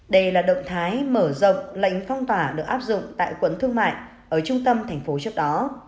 đây là động thái mở rộng lệnh phong tỏa được áp dụng tại quẫn thương mại ở trung tâm thành phố trước đó